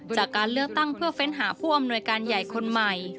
จากการเลือกตั้งเพื่อเฟ้นหาผู้อำนวยการใหญ่คนใหม่